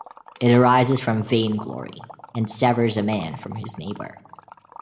It arises from vainglory, and severs a man from his neighbor.